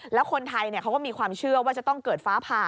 แล้วคนไทยเขาก็มีความเชื่อว่าจะต้องเกิดฟ้าผ่า